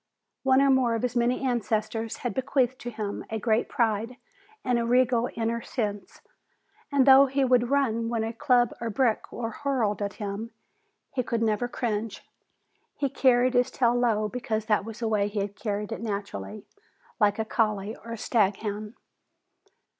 One or more of his many ancestors had bequeathed to him a great pride and a regal inner sense, and though he would run when a club or brick was hurled at him, he could never cringe. He carried his tail low because that was the way he carried it naturally, like a collie or staghound.